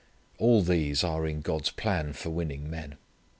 All these are in God's plan for winning men.